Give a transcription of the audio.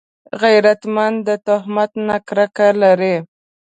غیرتمند د تهمت نه کرکه لري